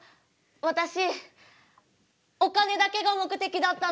私お金だけが目的だったの。